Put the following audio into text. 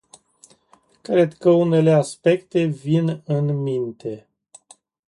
Cred că unele aspecte vin în minte.